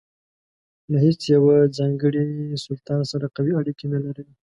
له هیڅ یوه ځانګړي سلطان سره قوي اړیکې نه لرلې.